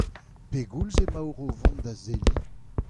Pegoulz emaoc'h o vont da Zelhi ?